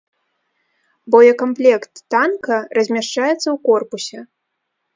Боекамплект танка размяшчаецца ў корпусе.